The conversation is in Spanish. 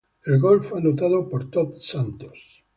El gol fue anotado por Todd Santos.